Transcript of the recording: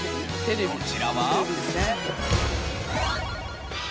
こちらは。